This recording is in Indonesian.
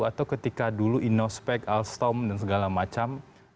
atau ketika dulu innospec alstom dan segala macam